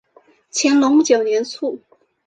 乾隆九年卒。